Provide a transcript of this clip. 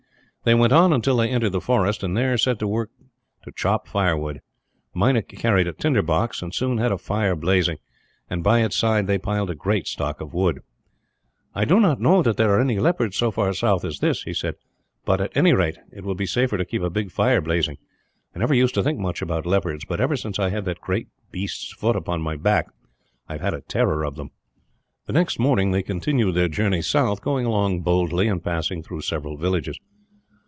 They went on until they entered the forest, and there set to work to chop firewood. Meinik carried a tinderbox, and soon had a fire blazing, and by its side they piled a great stock of wood. "I do not know that there are any leopards so far south as this," he said, "but at any rate it will be safer to keep a big fire blazing. I never used to think much about leopards but, ever since I had that great beast's foot upon my back, I have had a horror of them." The next morning they continued their journey south, going along boldly and passing through several villages.